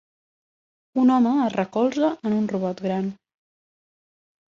Un home es recolza en un robot gran.